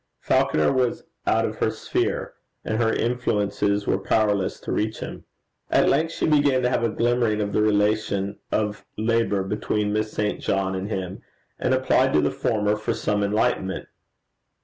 Falconer was out of her sphere, and her influences were powerless to reach him. At length she began to have a glimmering of the relation of labour between Miss St. John and him, and applied to the former for some enlightenment.